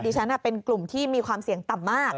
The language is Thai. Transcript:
ฉันเป็นกลุ่มที่มีความเสี่ยงต่ำมาก